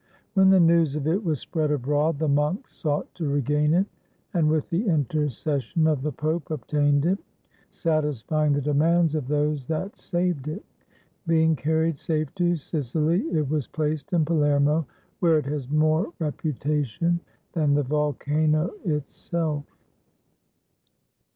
When the news of it was spread abroad, the monks sought to regain it, and with the intercession of the Pope obtained it, satisfying the demands of those that saved it. Being carried safe to Sicily, it was placed in Palermo, where it has more reputation than the volcano itself.